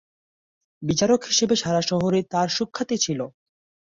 বিচারক হিসেবে সারা শহরে তার সুখ্যাতি ছিল।